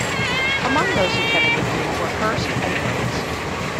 Among those who attended his funeral were Hirst and Rhodes.